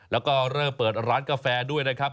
แล้วก็เริ่มเปิดร้านกาแฟด้วยนะครับ